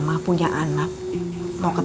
moms enggak sedih